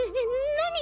何？